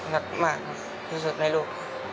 รักมากที่สุดในลูก